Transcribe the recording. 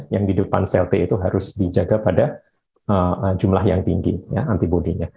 yang di depan sel t itu harus dijaga pada jumlah yang tinggi antibody nya